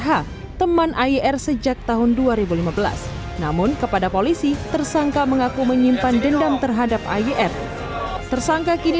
hak teman air sejak tahun dua ribu lima belas namun kepada polisi tersangka mengaku menyimpan dendam terhadap air